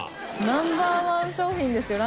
ナンバーワン商品ですよ